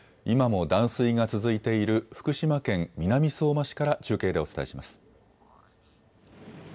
今も断水が続いている福島県南相馬市から中継でお伝えします。